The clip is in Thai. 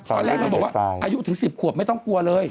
ตอนแรกน้องบอกว่าอายุถึง๑๐ขวบไม่ต้องกลัวเลย